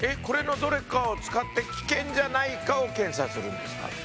これのどれかを使って危険じゃないかを検査するんですか？